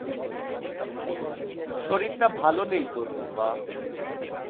শরীরটা ভালো নেই তোর, মা।